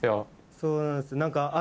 そうなんです。